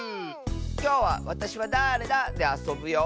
きょうは「わたしはだれだ？」であそぶよ！